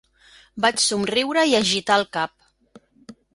Vaig somriure i agitar el cap.